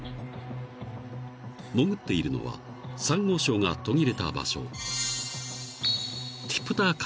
［潜っているのはサンゴ礁が途切れた場所］